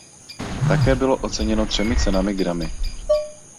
Také bylo oceněno třemi cenami Grammy.